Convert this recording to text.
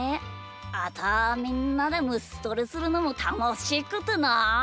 あとはみんなでむしとりするのもたのしくてなあ。